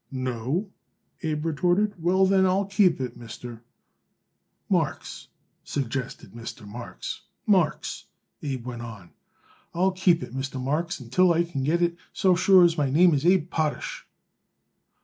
"No?" Abe retorted. "Well, then, I'll keep it, Mister " "Marks," suggested Mr. Marks. "Marks," Abe went on. "I'll keep it, Mr. Marks, until I can get it, so sure as my name is Abe Potash."